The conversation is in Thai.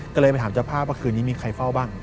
ก็เลยไปถามเจ้าภาพว่าคืนนี้มีใครเฝ้าบ้าง